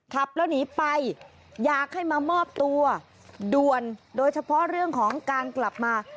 ขับแล้วหนีไปอยากให้มามอบตัวด่วนโดยเฉพาะเรื่องของการกลับมา